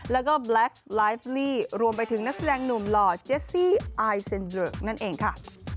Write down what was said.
แล้วก็แบล็คไลฟ์ลี่รวมไปถึงนักแสดงหนุ่มหล่อเจสซี่อายเซ็นเบิร์กนั่นเองค่ะ